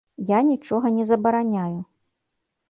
Я нічога не забараняю.